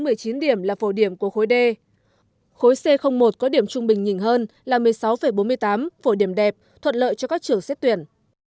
giao động từ một mươi hai đến một mươi chín điểm là phổ điểm của khối d khối c một có điểm trung bình nhìn hơn là một mươi sáu bốn mươi tám phổ điểm đẹp thuận lợi cho các trường xếp tuyển